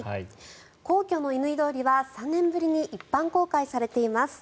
皇居の乾通りは３年ぶりに一般公開されています。